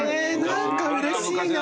何かうれしいな。